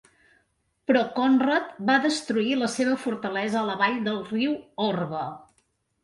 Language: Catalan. Però Conrad va destruir la seva fortalesa a la vall del riu Orba.